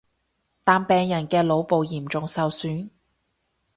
但病人嘅腦部嚴重受損